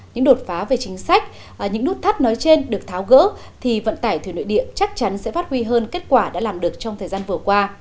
những đột phá về chính sách những nút thắt nói trên được tháo gỡ thì vận tải thủy nội địa chắc chắn sẽ phát huy hơn kết quả đã làm được trong thời gian vừa qua